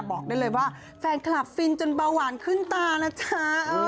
บอกได้เลยว่าแฟนคลับฟินจนเบาหวานขึ้นตานะจ๊ะ